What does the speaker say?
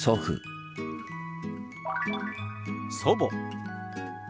「祖母」。